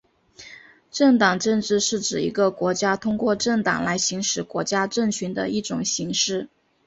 政党政治是指一个国家通过政党来行使国家政权的一种形式。